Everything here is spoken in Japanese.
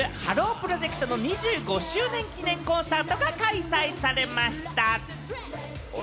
プロジェクトの２５周年記念コンサートが開催されました。